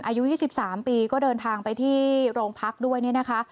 อายุ๒๓ปีก็เดินทางไปที่โรงพักด้วยเนี่ยนะคะ